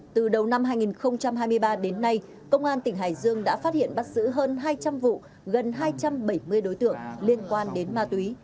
từ đầu năm hai nghìn hai mươi ba đến nay công an tỉnh hải dương đã phát hiện bắt giữ hơn hai trăm linh vụ gần hai trăm bảy mươi đối tượng liên quan đến ma túy